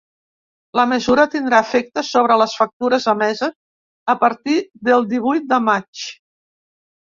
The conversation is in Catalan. La mesura tindrà efecte sobre les factures emeses a partir del divuit de maig.